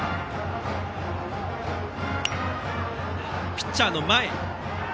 ピッチャーの前へ。